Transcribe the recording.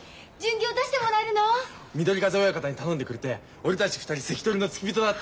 緑風親方に頼んでくれて俺たち二人関取の付き人だって。